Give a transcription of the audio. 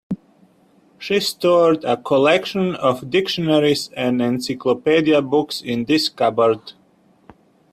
She stored a collection of dictionaries and encyclopedia books in this cupboard.